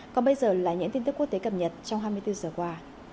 còn bây giờ là những tin tức quốc tế cập nhật trong hai mươi bốn giờ qua